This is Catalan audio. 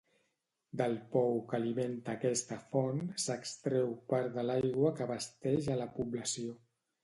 Del pou que alimenta aquesta font s'extreu part de l'aigua que abasteix a la població.